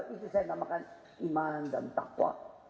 itu saya namakan iman dan takwa